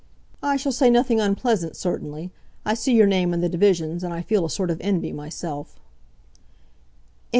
"I shall say nothing unpleasant certainly. I see your name in the divisions, and I feel a sort of envy myself."